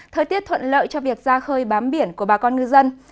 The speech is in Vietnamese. thời tiết thuận lợi cho việc ra khơi bám biển của bà con ngư dân